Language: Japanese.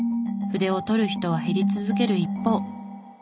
筆を執る人は減り続ける一方。